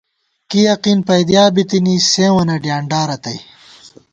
کی یقین پَئیدِیا بِتِنی، سیوں وَنہ ڈیانڈا رتئ